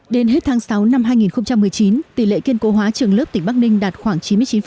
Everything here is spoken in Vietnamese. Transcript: đến hết tháng sáu năm hai nghìn một mươi chín tỷ lệ kiên cố hóa trường lớp tỉnh bắc ninh đạt khoảng chín mươi chín